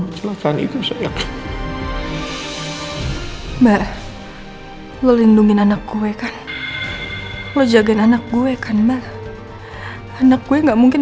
mafan itu saya mbak lu lindungi anak gue kan lu jagain anak gue kan malah anak gue nggak mungkin